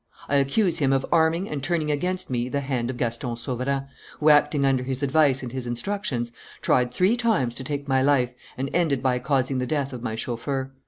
I accuse him of arming and turning against me the hand of Gaston Sauverand, who, acting under his advice and his instructions, tried three times to take my life and ended by causing the death of my chauffeur.